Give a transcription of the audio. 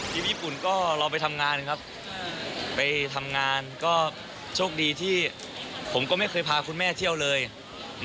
ญี่ปุ่นก็เราไปทำงานครับไปทำงานก็โชคดีที่ผมก็ไม่เคยพาคุณแม่เที่ยวเลย